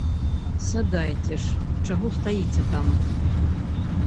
Сядайце ж, чаго стаіце там!